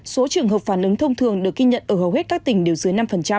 số trường hợp phản ứng thông thường được ghi nhận ở hầu hết các tỉnh đều dưới năm